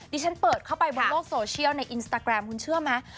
ที่ฉันเปิดเข้าไปบนโลกโซเชียลในอินสตาแกรมคุณเชื่อไหม